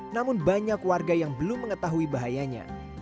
namun banyak warga yang belum mengetahui bahayanya